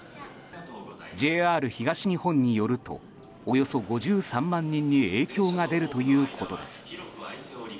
ＪＲ東日本によるとおよそ５３万人に影響が出るということです。